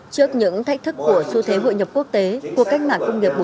trước những thách thức của xu thế hội nhập quốc tế của cách mạng công nghiệp bốn